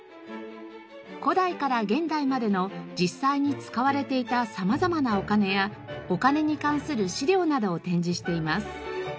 古代から現代までの実際に使われていた様々なお金やお金に関する資料などを展示しています。